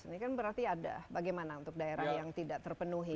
ini kan berarti ada bagaimana untuk daerah yang tidak terpenuhi